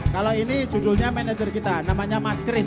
kalau ini judulnya manajer kita namanya mas kris